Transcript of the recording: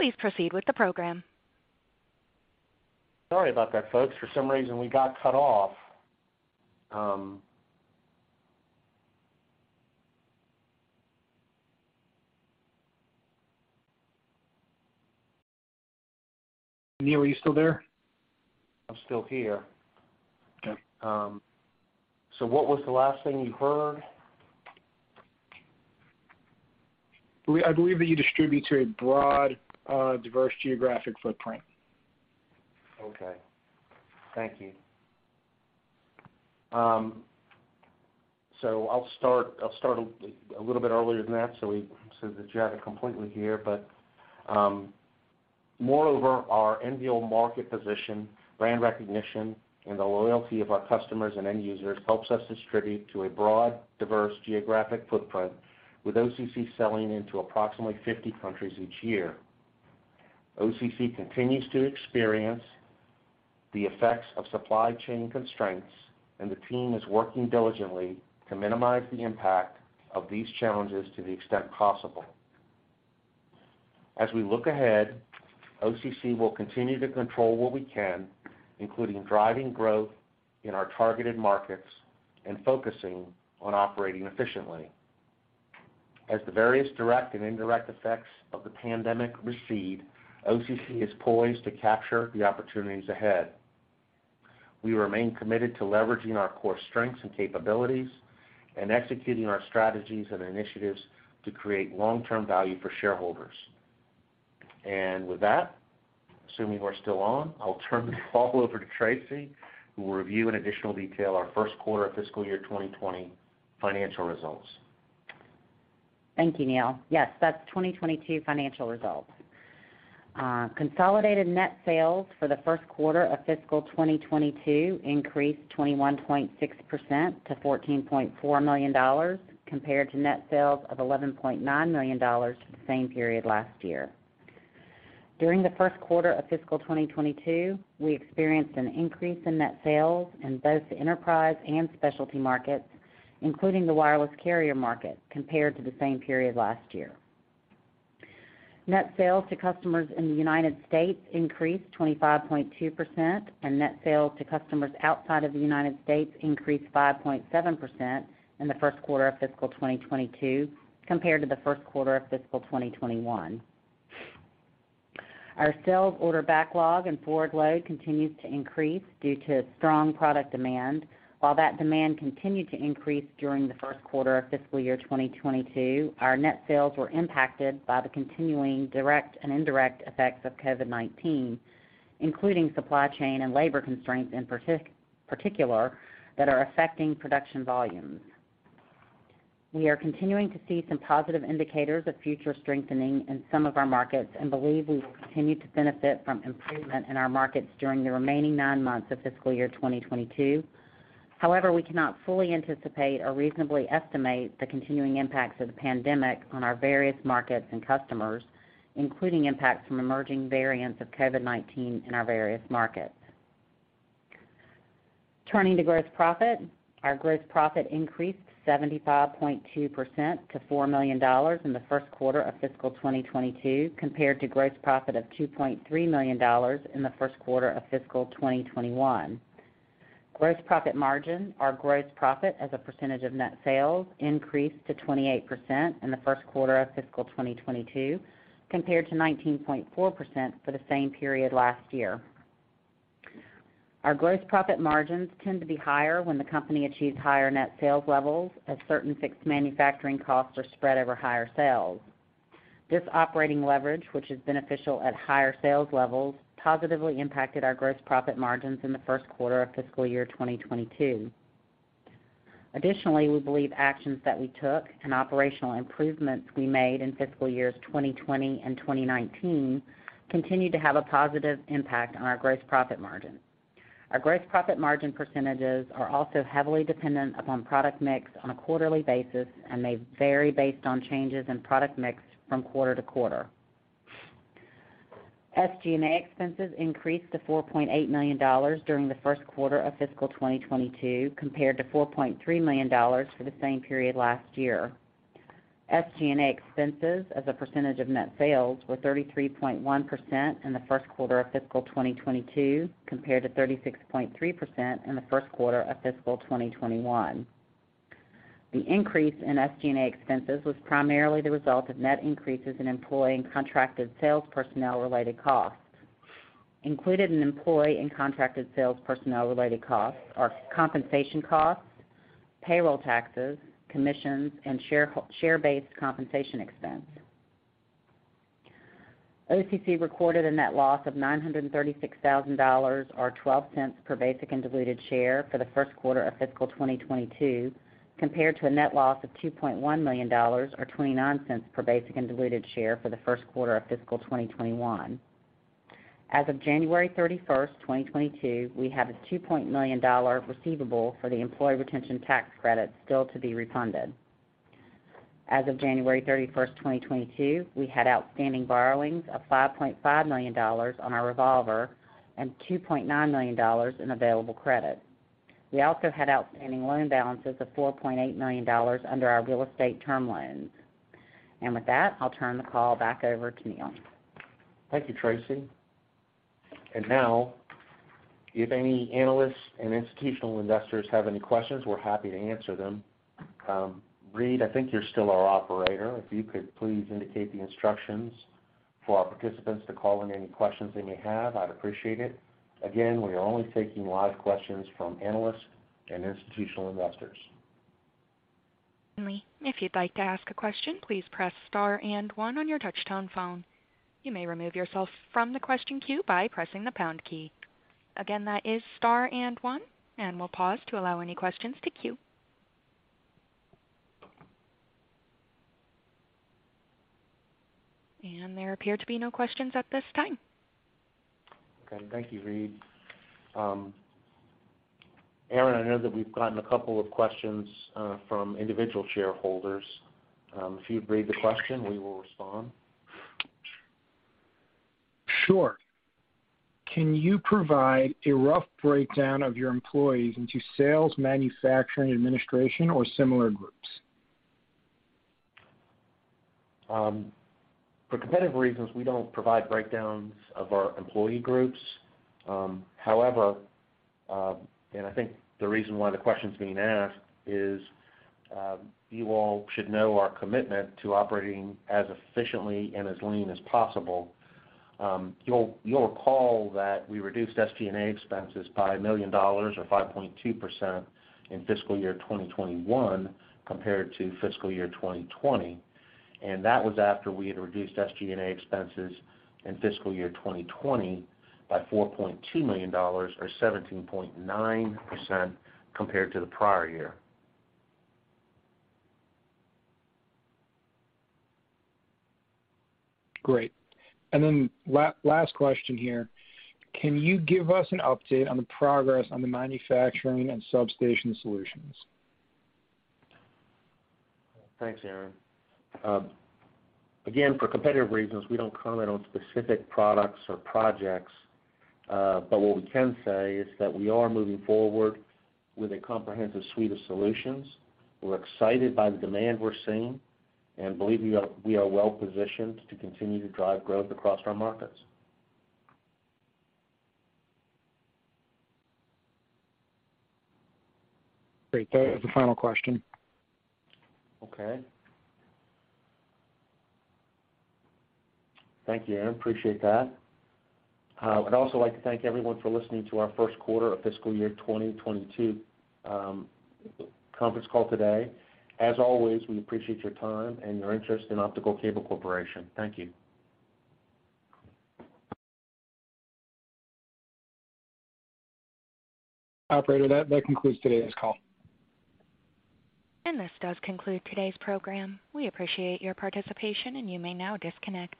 Please proceed with the program. Sorry about that, folks. For some reason, we got cut off. Neil, are you still there? I'm still here. Okay. What was the last thing you heard? I believe that you distribute to a broad, diverse geographic footprint. Okay. Thank you. I'll start a little bit earlier than that, so that you have it completely here. Moreover, our OCC market position, brand recognition, and the loyalty of our customers and end users helps us distribute to a broad, diverse geographic footprint, with OCC selling into approximately 50 countries each year. OCC continues to experience the effects of supply chain constraints, and the team is working diligently to minimize the impact of these challenges to the extent possible. As we look ahead, OCC will continue to control what we can, including driving growth in our targeted markets and focusing on operating efficiently. As the various direct and indirect effects of the pandemic recede, OCC is poised to capture the opportunities ahead. We remain committed to leveraging our core strengths and capabilities and executing our strategies and initiatives to create long-term value for shareholders. With that, assuming we're still on, I'll turn the call over to Tracy, who will review in additional detail our first quarter fiscal year 2020 financial results. Thank you, Neil. Yes, that's 2022 financial results. Consolidated net sales for the first quarter of fiscal 2022 increased 21.6% to $14.4 million compared to net sales of $11.9 million for the same period last year. During the first quarter of fiscal 2022, we experienced an increase in net sales in both the enterprise and specialty markets, including the wireless carrier market compared to the same period last year. Net sales to customers in the United States increased 25.2%, and net sales to customers outside of the United States increased 5.7% in the first quarter of fiscal 2022 compared to the first quarter of fiscal 2021. Our sales order backlog and forward load continues to increase due to strong product demand. While that demand continued to increase during the first quarter of fiscal year 2022, our net sales were impacted by the continuing direct and indirect effects of COVID-19, including supply chain and labor constraints in particular that are affecting production volumes. We are continuing to see some positive indicators of future strengthening in some of our markets and believe we will continue to benefit from improvement in our markets during the remaining nine months of fiscal year 2022. However, we cannot fully anticipate or reasonably estimate the continuing impacts of the pandemic on our various markets and customers, including impacts from emerging variants of COVID-19 in our various markets. Turning to gross profit. Our gross profit increased 75.2% to $4 million in the first quarter of fiscal 2022 compared to gross profit of $2.3 million in the first quarter of fiscal 2021. Gross profit margin, our gross profit as a percentage of net sales, increased to 28% in the first quarter of fiscal 2022 compared to 19.4% for the same period last year. Our gross profit margins tend to be higher when the company achieves higher net sales levels as certain fixed manufacturing costs are spread over higher sales. This operating leverage, which is beneficial at higher sales levels, positively impacted our gross profit margins in the first quarter of fiscal year 2022. Additionally, we believe actions that we took and operational improvements we made in fiscal years 2020 and 2019 continue to have a positive impact on our gross profit margin. Our gross profit margin percentages are also heavily dependent upon product mix on a quarterly basis, and may vary based on changes in product mix from quarter to quarter. SG&A expenses increased to $4.8 million during the first quarter of fiscal 2022 compared to $4.3 million for the same period last year. SG&A expenses as a percentage of net sales were 33.1% in the first quarter of fiscal 2022 compared to 36.3% in the first quarter of fiscal 2021. The increase in SG&A expenses was primarily the result of net increases in employee and contracted sales personnel related costs. Included in employee and contracted sales personnel related costs are compensation costs, payroll taxes, commissions, and share-based compensation expense. OCC recorded a net loss of $936,000, or 12 cents per basic and diluted share for the first quarter of fiscal 2022 compared to a net loss of $2.1 million or 29 cents per basic and diluted share for the first quarter of fiscal 2021. As of 31 January 2022, we have a $2 million dollar receivable for the Employee Retention Tax Credit still to be refunded. As of 31 January 2022, we had outstanding borrowings of $5.5 million on our revolver and $2.9 million in available credit. We also had outstanding loan balances of $4.8 million under our real estate term loans. With that, I'll turn the call back over to Neil. Thank you, Tracy. Now, if any analysts and institutional investors have any questions, we're happy to answer them. Reid, I think you're still our operator. If you could please indicate the instructions for our participants to call in any questions they may have, I'd appreciate it. Again, we are only taking live questions from analysts and institutional investors. If you'd like to ask a question, please press star and 1 on your touch-tone phone. You may remove yourself from the question queue by pressing the pound key. Again, that is star and 1, and we'll pause to allow any questions to queue. There appear to be no questions at this time. Okay. Thank you, Reid. Aaron, I know that we've gotten a couple of questions from individual shareholders. If you'd read the question, we will respond. Sure. Can you provide a rough breakdown of your employees into sales, manufacturing, administration, or similar groups? For competitive reasons, we don't provide breakdowns of our employee groups. However, and I think the reason why the question's being asked is, you all should know our commitment to operating as efficiently and as lean as possible. You'll recall that we reduced SG&A expenses by $1 million or 5.2% in fiscal year 2021 compared to fiscal year 2020, and that was after we had reduced SG&A expenses in fiscal year 2020 by $4.2 million or 17.9% compared to the prior year. Great. Last question here. Can you give us an update on the progress on the manufacturing and specialty markets? Thanks, Aaron. Again, for competitive reasons, we don't comment on specific products or projects, but what we can say is that we are moving forward with a comprehensive suite of solutions. We're excited by the demand we're seeing and believe we are well-positioned to continue to drive growth across our markets. Great. That is the final question. Okay. Thank you, Aaron Palash. Appreciate that. I'd also like to thank everyone for listening to our first quarter of fiscal year 2022 conference call today. As always, we appreciate your time and your interest in Optical Cable Corporation. Thank you. Operator, that concludes today's call. This does conclude today's program. We appreciate your participation, and you may now disconnect.